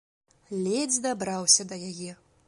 Ледзь дабраўся да яе.